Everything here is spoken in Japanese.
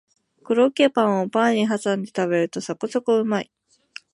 コロッケをパンにはさんで食べるとそこそこうまい